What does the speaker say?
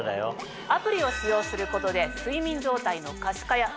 アプリを使用することで。